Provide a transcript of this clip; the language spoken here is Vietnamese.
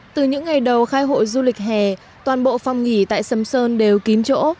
từ những ngày đầu khai hội du lịch hè toàn bộ phòng nghỉ tại sầm sơn đều kín chỗ